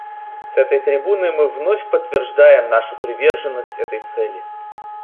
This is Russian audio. С этой трибуны мы вновь подтверждаем нашу приверженность этой цели.